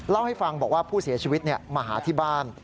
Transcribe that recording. เล่าให้ฟังบอกว่าผู้เสียชีวิตมาหาที่บ้าน